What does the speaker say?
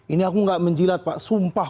ini aku nggak menjilat pak sumpah